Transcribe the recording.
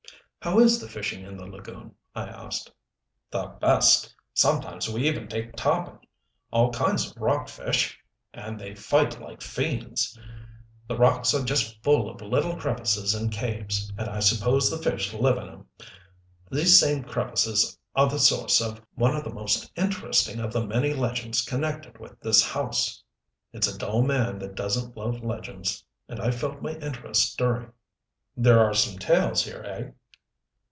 "How is fishing in the lagoon?" I asked. "The best. Sometimes we even take tarpon. All kinds of rock fish and they fight like fiends. The rocks are just full of little crevices and caves, and I suppose the fish live in 'em. These same crevices are the source of one of the most interesting of the many legends connected with this house." It's a dull man that doesn't love legends, and I felt my interest stirring. "There are some tales here, eh?"